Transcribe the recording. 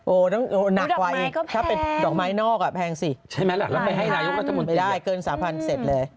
โอ้นักไวถ้าเป็นดอกไม้นอกแพงสิใช่ไหมล่ะแล้วไม่ให้นายกรัฐมนตรีไม่ได้เกิน๓๐๐๐เสร็จเลย